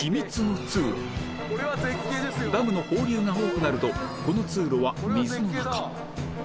ダムの放流が多くなるとこの通路は水の中